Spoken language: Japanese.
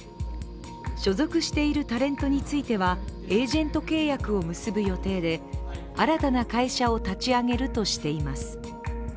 所属しているタレントについてはエージェント契約を結ぶ予定で新たな会社を立ち上げるとしています。